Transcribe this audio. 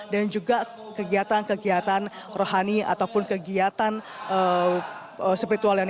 dan juga kegiatan kegiatan rohani ataupun kegiatan seperti itu